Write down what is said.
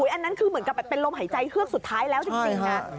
อันนั้นคือเหมือนกับเป็นลมหายใจเฮือกสุดท้ายแล้วจริงนะ